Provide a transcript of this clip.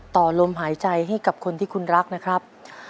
ต่อลมหายใจให้กับคนที่คุณรักนะครับ